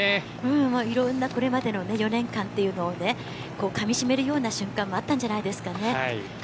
いろんなこれまでの４年間というのをねかみしめるような瞬間もあったんじゃないですかね。